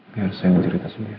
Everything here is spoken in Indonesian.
biar saya yang cerita sendiri